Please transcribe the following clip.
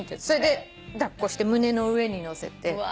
それで抱っこして胸の上にのせて。